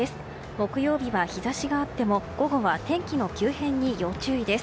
木曜日は日差しがあっても午後は天気の急変に要注意です。